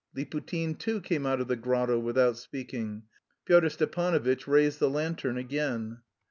Liputin too came out of the grotto without speaking. Pyotr Stepanovitch raised the lantern again.